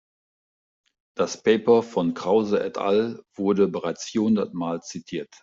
Das Paper von Krause et al. wurde bereits vierhundertmal zitiert.